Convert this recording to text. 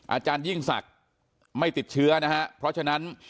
อาจารยิ่งศักดิ์ไม่ติดเชื้อนะฮะเพราะฉะนั้น